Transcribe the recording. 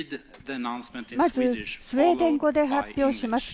まず、スウェーデン語で発表します。